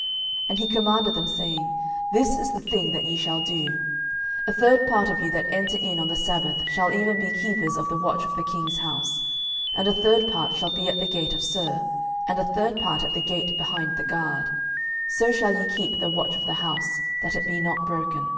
12:011:005 And he commanded them, saying, This is the thing that ye shall do; A third part of you that enter in on the sabbath shall even be keepers of the watch of the king's house; 12:011:006 And a third part shall be at the gate of Sur; and a third part at the gate behind the guard: so shall ye keep the watch of the house, that it be not broken down.